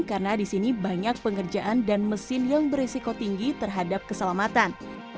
karena di sini banyak pengerjaan dan mesin yang beresiko tinggi terhadap keselamatan